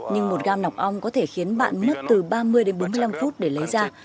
nhưng một gam nọc ong có thể khiến bạn mất từ ba mươi đến bốn mươi năm phút để lấy ra